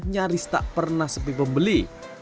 nyaris tak pernah sepi pembeli